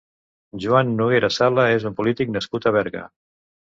Juan Noguera Sala és un polític nascut a Berga.